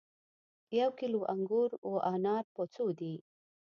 یو کیلو انګور او انار په څو دي